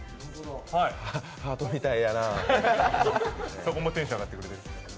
そこもテンション上がってくれてる。